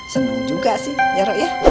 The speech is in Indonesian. senang juga sih ya rok ya